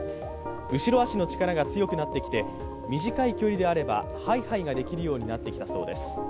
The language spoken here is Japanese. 後ろ足の力が強くなってきて、短い距離であればハイハイができるようになってきたそうです。